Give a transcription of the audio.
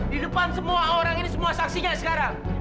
di depan semua orang ini semua saksinya sekarang